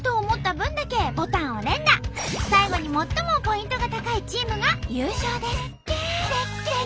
最後に最もポイントが高いチームが優勝です。